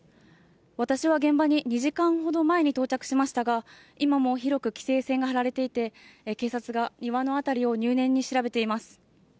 私は現場に２時間ほど前に到着しましたが、今も広く規制線が張られていて、警察が庭の辺りを入念に調べています。